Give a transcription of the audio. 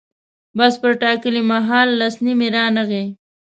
بس پر ټاکلي مهال لس نیمې رانغی.